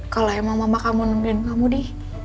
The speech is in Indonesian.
kalau emang mama kamu nungguin kamu di